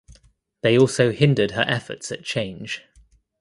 They also hindered her efforts at change.